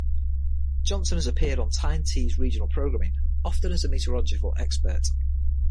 Johnson has appeared on Tyne Tees' regional programming, often as a metrological expert.